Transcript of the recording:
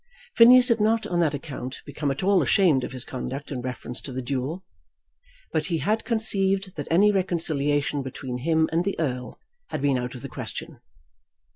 Phineas had not on that account become at all ashamed of his conduct in reference to the duel, but he had conceived that any reconciliation between him and the Earl had been out of the question.